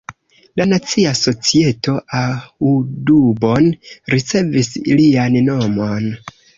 La Nacia Societo Audubon ricevis lian nomon.